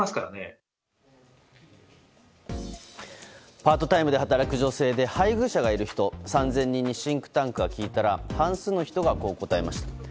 パートタイムで働く女性で配偶者がいる人３０００人にシンクタンクが聞いたら半数の人が、こう答えました。